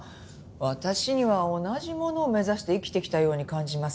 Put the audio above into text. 私には同じものを目指して生きてきたように感じます。